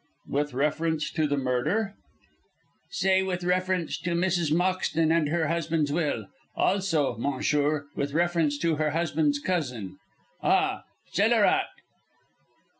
"With reference to the murder?" "Say with reference to Mrs. Moxton and her husband's will. Also, monsieur, with reference to her husband's cousin. Ah, _scélérat!